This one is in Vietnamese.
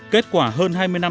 kết quả hơn hai mươi năm